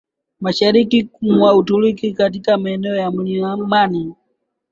Mashariki mwa Uturuki katika maeneo ya milimani